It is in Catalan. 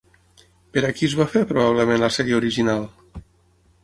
Per a qui es va fer probablement la sèrie original?